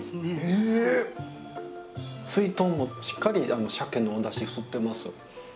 すいとんもしっかりシャケのおだし吸ってます。